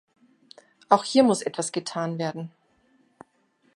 Auch hier muss etwas getan werden.